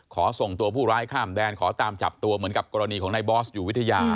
ขอส่งตัวผู้ร้ายข้ามแดนขอตามจับตัวเหมือนกับกรณีของนายบอสอยู่วิทยา